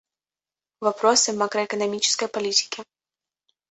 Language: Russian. Вопросы макроэкономической политики.